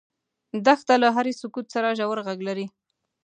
دښته له هرې سکوت سره ژور غږ لري.